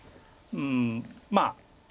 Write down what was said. うんまあ。